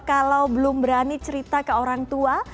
kalau belum berani cerita ke orang tua